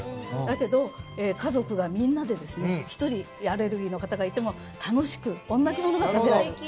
だけど、家族がみんなで１人、アレルギーの方がいても楽しく同じものが食べられる。